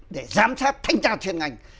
để giám sát thanh tra truyền ngành